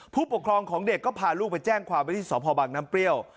ผู้ปกครองของเด็กก็พาลูกไปแจ้งความไว้ที่สพบังน้ำเปรี้ยว